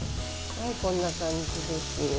こんな感じです。